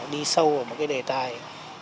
đi sâu vào một đề tài